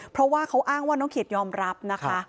เพราะว่าเขาอ้างว่าน้องเขียดยอมรับนะคะ